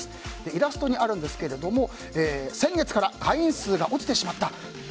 イラストにあるんですけれども先月から会員数が落ちてしまった。